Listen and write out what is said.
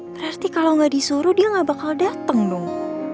berarti kalo gak disuruh dia gak bakal dateng dong